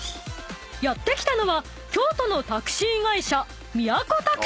［やって来たのは京都のタクシー会社］